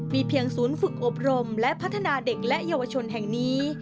เพียงศูนย์ฝึกอบรมและพัฒนาเด็กและเยาวชนแห่งนี้